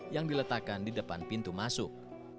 yang diletakkan di depan pintu masuk